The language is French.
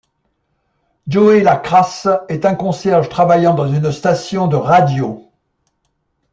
Joe La Crasse est un concierge travaillant dans une station de radio.